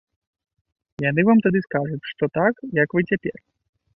Яны вам тады скажуць, што так, як вы цяпер.